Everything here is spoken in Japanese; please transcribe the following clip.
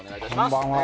こんばんは。